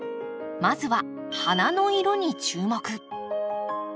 まずは花の色に注目！